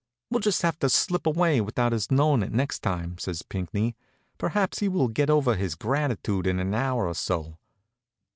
"We'll just have to slip away without his knowing it next time," says Pinckney. "Perhaps he will get over his gratitude in an hour or so."